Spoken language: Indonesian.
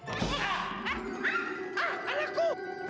ah ah ah ah anakku